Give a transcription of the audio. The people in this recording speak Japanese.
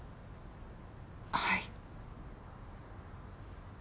はい。